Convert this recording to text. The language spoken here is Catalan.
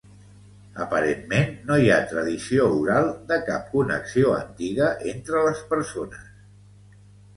Aparentment no hi ha tradició oral de cap connexió antiga entre les persones.